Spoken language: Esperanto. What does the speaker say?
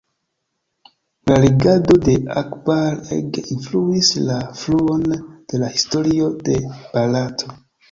La regado de Akbar ege influis la fluon de la historio de Barato.